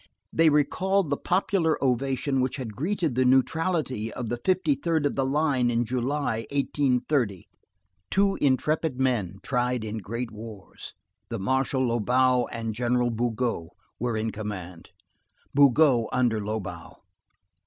They recalled the popular ovation which had greeted the neutrality of the 53d of the Line in July, 1830. Two intrepid men, tried in great wars, the Marshal Lobau and General Bugeaud, were in command, Bugeaud under Lobau.